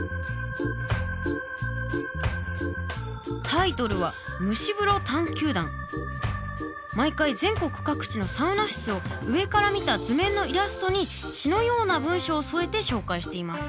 タイトルは毎回全国各地のサウナ室を上から見た図面のイラストに詩のような文章を添えて紹介しています。